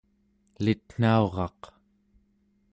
elitnauraq